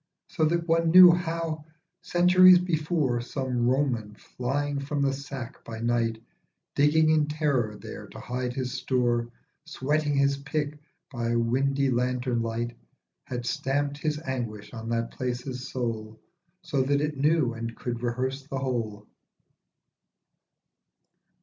So that one knew how, centuries before, Some Roman flying from the sack by night, Digging in terror there to hide his store, Sweating his pick, by windy lantern light, Had stamped his anguish on that place's soul, So that it knew and could rehearse the whole.